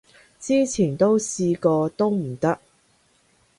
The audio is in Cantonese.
之前都試過都唔得